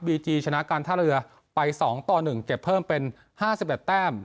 บีจีชนะการท่าเรือไปสองต่อหนึ่งเก็บเพิ่มเป็นห้าสิบแปดแต้ม